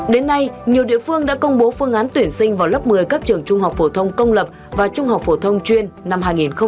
đến nay nhiều địa phương đã công bố phương án tuyển sinh vào lớp một mươi các trường trung học phổ thông công lập và trung học phổ thông chuyên năm hai nghìn hai mươi